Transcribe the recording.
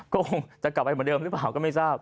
ก็คงจะกลับไปเหมือนเดิมหรือเปล่าก็ไม่ทราบ